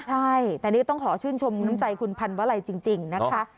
ใช่แต่นี่ต้องขอชื่นชมน้ำใจคุณพันวลัยจริงนะคะ